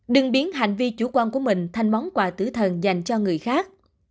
đừng biến hành vi chủ quan của mình thành món quà tử thần dành cho người khác